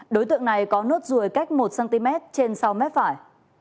đối tượng này có nốt ruồi cách một cm trên sau mép phải